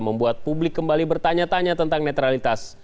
membuat publik kembali bertanya tanya tentang netralitas